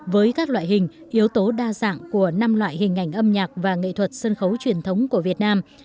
với các loại hình yếu tố đa dạng của năm loại hình ảnh âm nhạc và nghệ thuật sân khấu truyền thống của việt nam